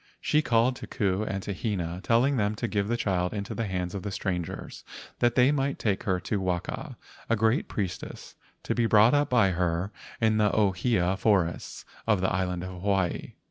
She called to Ku and to Hina, telling them to give the child into the hands of the strangers, that they might take her to Waka, a great priestess, to be brought up by her in the ohia forests of the island of Hawaii.